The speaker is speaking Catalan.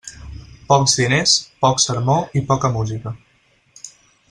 Pocs diners, poc sermó i poca música.